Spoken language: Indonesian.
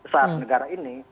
saat negara ini